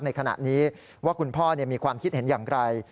ในขณะนี้ว่าคุณพ่อมีความคิดเห็นอย่างไร